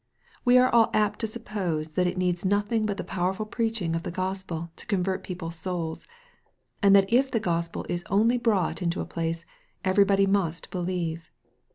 We are all to apt to suppose that it needs nothing but the powerful preaching of the Gospel to con vert people's souls, and that if the Gospel is only brought into a place everybody must believe.